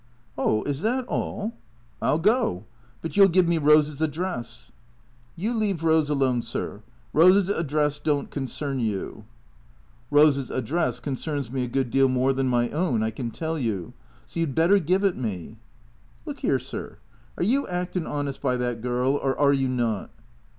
"Oh, is tliat all? I'll go. But you'll give me Eose's ad dress." " You leave Eose alone, sir. Eose's address don't concern you." T H E C E E A T 0 E S 43 " Eose's address concerns me a good deal more tlian my own, I can tell you. So you 'd better give it me." " Look 'ere, sir. Are you actin' honest by that girl, or are you not